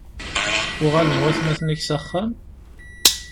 Uɣalen watmaten-ik s axxam?